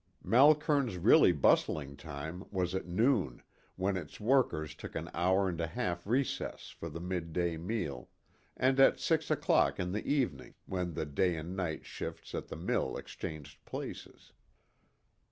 Malkern's really bustling time was at noon, when its workers took an hour and a half recess for the midday meal, and at six o'clock in the evening, when the day and night "shifts" at the mill exchanged places.